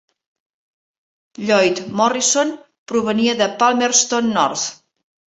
Lloyd Morrison provenia de Palmerston North.